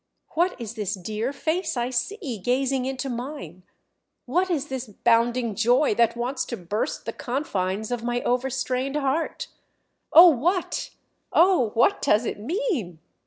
What is this dear face I see gazing into mine, what is this bounding joy that wants to burst the confines of my overstrained heart? Oh what oh what does it mean?"